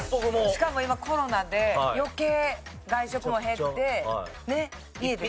しかも今コロナで余計外食も減って。